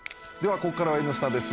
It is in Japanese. ここからは「Ｎスタ」です。